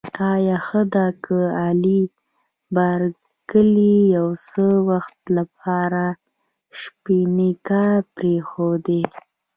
آیا ښه ده که آغلې بارکلي د یو څه وخت لپاره شپنی کار پرېږدي؟